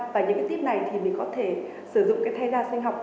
và những cái tiếp này thì mình có thể sử dụng cái thay da sinh học